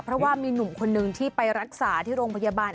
เพราะว่ามีหนุ่มคนนึงที่ไปรักษาที่โรงพยาบาล